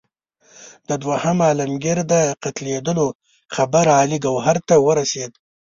د دوهم عالمګیر د قتلېدلو خبر علي ګوهر ته ورسېد.